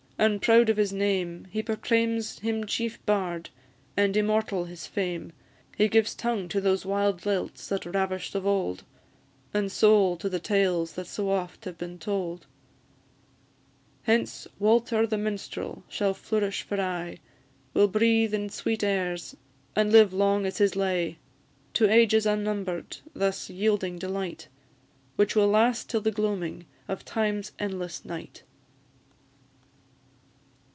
and, proud of his name, He proclaims him chief bard, and immortal his fame! He gives tongue to those wild lilts that ravish'd of old, And soul to the tales that so oft have been told; Hence Walter the Minstrel shall flourish for aye, Will breathe in sweet airs, and live long as his "Lay;" To ages unnumber'd thus yielding delight, Which will last till the gloaming of Time's endless night.